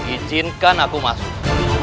izinkan aku masuk